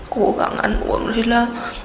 cố gắng ăn uống đi là